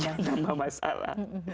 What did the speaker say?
tapi jangan nambah masalah